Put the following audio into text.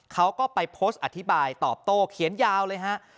เขาก็ไปโพสต์อธิบายตอบโต้เขียนยาวเลยฮะ